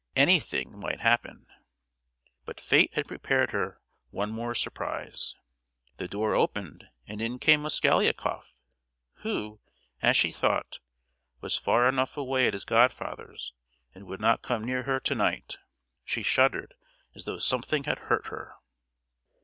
Anything might happen. But fate had prepared her one more surprise. The door opened and in came Mosgliakoff—who, as she thought, was far enough away at his godfather's, and would not come near her to night! She shuddered as though something had hurt her.